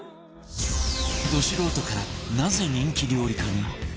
ド素人からなぜ人気料理家に？